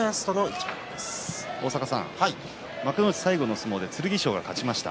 幕内最後の相撲で剣翔が勝ちました。